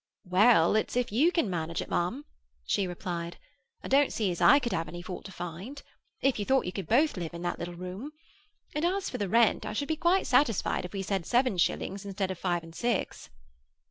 "Well, it's if you can manage, mum," she replied. "I don't see as I could have any fault to find, if you thought you could both live in that little room. And as for the rent, I should be quite satisfied if we said seven shillings instead of five and six."